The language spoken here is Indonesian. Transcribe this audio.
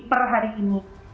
per hari ini